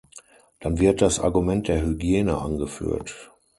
Dann wird das Argument der Hygiene angeführt.